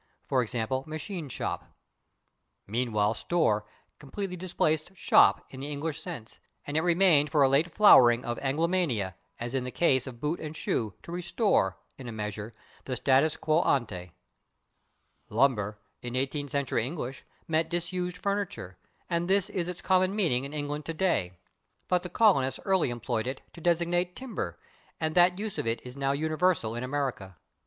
g./, /machine shop/. Meanwhile /store/ completely displaced /shop/ in the English sense, and it remained for a late flowering of Anglomania, as in the case of /boot/ and /shoe/, to restore, in a measure, the /status quo ante/. /Lumber/, in eighteenth century English, meant disused furniture, and this is its common meaning in England today. But the colonists early employed it to designate timber, and that use of it is now universal in America.